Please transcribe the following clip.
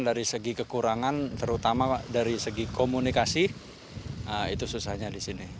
dari segi kekurangan terutama dari segi komunikasi itu susahnya di sini